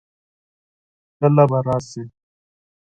کله به راسې؟